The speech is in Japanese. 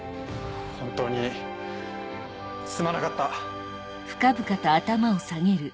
本当にすまなかった！